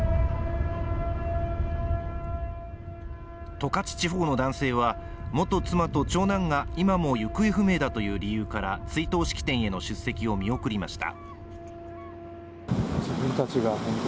十勝地方の男性は、元妻と長男が今も行方不明だという理由から、追悼式典への出席を見送りました。